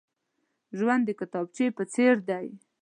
ژوند د کتابچې په څېر دی.